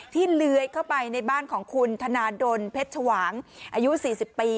เลื้อยเข้าไปในบ้านของคุณธนาดลเพชรชวางอายุ๔๐ปี